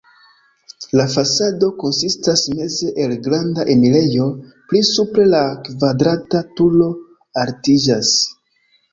La fasado konsistas meze el granda enirejo, pli supre la kvadrata turo altiĝas.